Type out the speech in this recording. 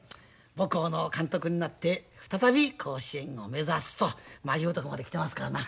母校の監督になって再び甲子園を目指すというとこまで来てますからな。